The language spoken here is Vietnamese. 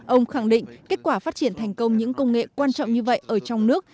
ông khẳng định kết quả phát triển thành công những công nghệ quan trọng như vậy ở trong nước